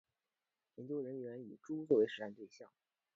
研究人员以猪作为实验对象